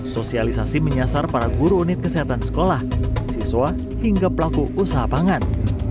sosialisasi menyasar para guru unit kesehatan sekolah siswa hingga pelaku usaha pangan